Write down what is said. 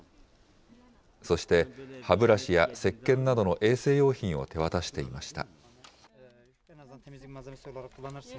そして歯ブラシやせっけんなどの衛生用品を手渡していました。